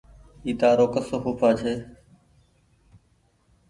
اي تآرو ڪسو ڦوڦآ ڇي